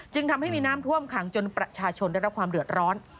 ทำให้มีน้ำท่วมขังจนประชาชนได้รับความเดือดร้อน